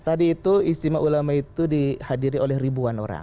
tadi itu istimewa ulama itu dihadiri oleh ribuan orang